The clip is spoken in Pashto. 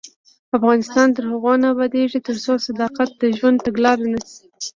افغانستان تر هغو نه ابادیږي، ترڅو صداقت د ژوند تګلاره نشي.